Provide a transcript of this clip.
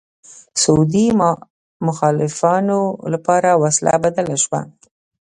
سعودي مخالفانو لپاره وسله بدله شوه